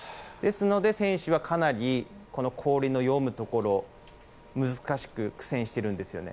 ですので選手はかなり氷の読むところ、難しく苦戦しているんです。